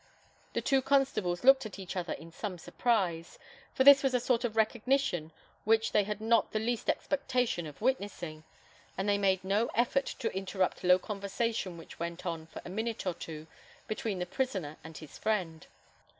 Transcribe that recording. The two constables looked at each other in some surprise, for this was a sort of recognition which they had not the least expectation of witnessing; and they made no effort to interrupt a low conversation which went on for a minute or two between their prisoner and his friend.